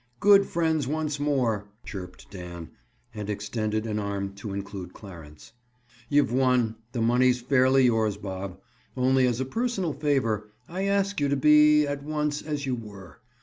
"Good friends, once more!" chirped Dan, and extended an arm to include Clarence. "You've won. The money's fairly yours, Bob. Only as a personal favor, I ask you to be, at once, as you were.